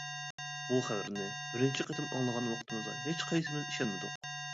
بۇ خەۋەرنى بىرىنچى قېتىم ئاڭلىغان ۋاقتىمىزدا ھېچقايسىمىز ئىشەنمىدۇق.